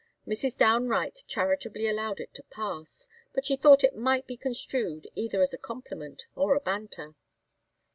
Mrs. Downe Wright charitably allowed it to pass, as she thought it might be construed either as a compliment or a banter.